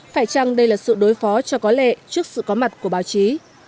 phải chăng đây là sự đối phó cho có lệ trước sự có mặt của báo chí